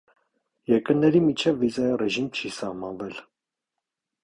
Երկրների միջև վիզային ռեժիմ չի սահմանվել։